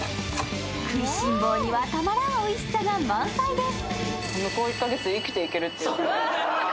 食いしん坊には、たまらんおいしさが満載です。